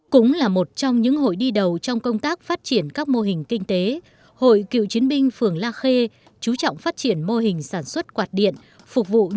cũng là một trong những hội đi đầu trong công tác phát triển các mô hình kinh tế hội kiều chính minh phường la khê trú trọng phát triển mô hình sản xuất quạt truyền